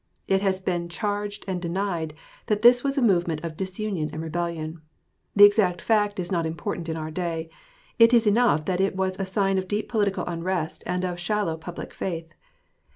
It has been charged and denied that this was a movement of disunion and rebellion. The exact fact is not important in our day; it is enough that it was a sign of deep political unrest and of shallow public faith.